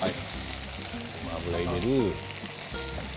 ごま油を入れる。